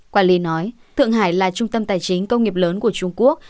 quản lý nói thượng hải là trung tâm tài chính công nghiệp lớn của trung quốc